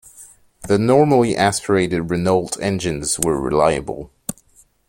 The normally aspirated Renault engines were reliable.